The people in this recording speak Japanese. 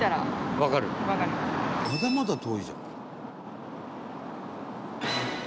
「まだまだ遠いじゃん」